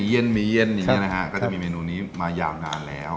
อย่างนี้นะฮะก็จะมีเมนูนี้มายาวนานแล้ว